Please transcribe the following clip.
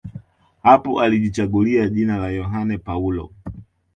Hapo alijichagulia jina la Yohane Paulo